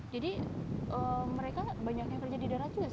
jadi mereka banyaknya kerja di darat juga